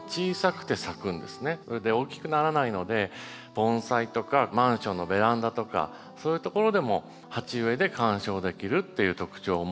それで大きくならないので盆栽とかマンションのベランダとかそういう所でも鉢植えで観賞できるっていう特徴を持っているんですよ。